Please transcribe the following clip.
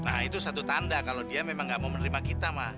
nah itu satu tanda kalau dia memang nggak mau menerima kita mah